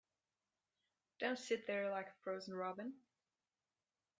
Don't sit there like a frozen robin.